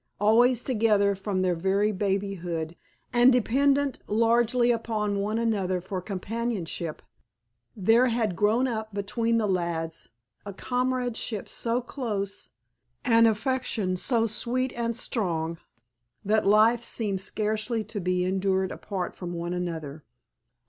Always together, from their very babyhood, and dependent largely upon one another for companionship, there had grown up between the lads a comradeship so close, an affection so sweet and strong, that life seemed scarcely to be endured apart from one another.